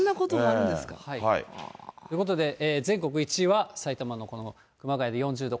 ということで、全国１位は埼玉のこの熊谷で４０度。